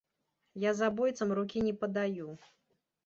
Я забойцам рукі не падаю.